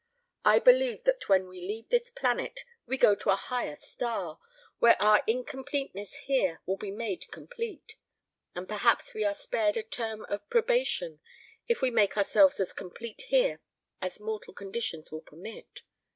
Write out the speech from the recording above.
I believe that when we leave this planet we go to a higher star, where our incompleteness here will be made complete; and perhaps we are spared a term of probation if we make ourselves as complete here as mortal conditions will permit.